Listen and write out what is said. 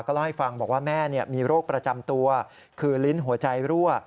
เล่าให้ฟังบอกว่าแม่มีโรคประจำตัวคือลิ้นหัวใจรั่ว